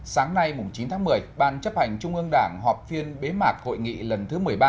sáng nay chín tháng một mươi ban chấp hành trung ương đảng họp phiên bế mạc hội nghị lần thứ một mươi ba